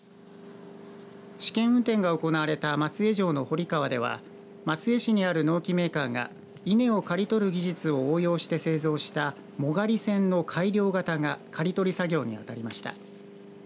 試験運転が行われた松江城の堀川では松江市にある農機メーカーが稲を刈り取る技術を応用して製造した藻刈り船の改良型が刈り取り作業に当たりました。